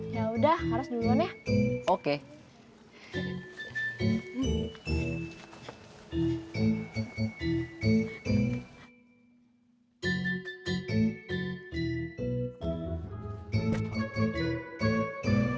yaudah laras duluan ya